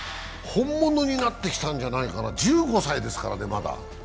本物になってきたんじゃないかな、まだ１５歳ですからね。